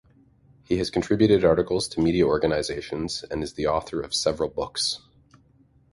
He has contributed articles to media organisations and is the author of several books.